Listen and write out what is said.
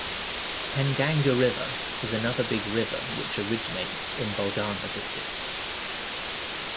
Penganga river is another big river which originates in Buldhana district.